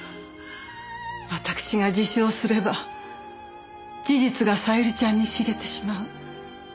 わたくしが自首をすれば事実が小百合ちゃんに知れてしまう。